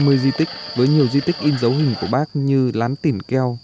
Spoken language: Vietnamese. hơn một trăm ba mươi di tích với nhiều di tích in dấu hình của bác như lán tỉnh keo